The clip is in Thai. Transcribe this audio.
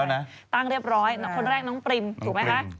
ตั้งแล้วนะตั้งเรียบร้อยคนแรกน้องปริมถูกไหมคะ